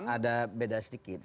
ada beda sedikit